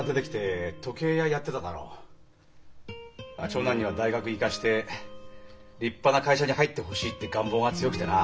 長男には大学行かして立派な会社に入ってほしいって願望が強くてな。